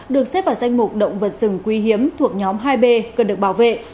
được xếp vào danh mục động vật rừng quý hiếm thuộc nhóm hai b cần được bảo vệ